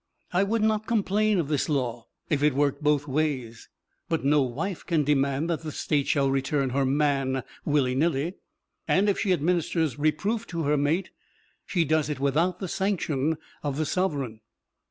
I would not complain of this law if it worked both ways; but no wife can demand that the State shall return her "man" willy nilly. And if she administers reproof to her mate, she does it without the sanction of the Sovereign.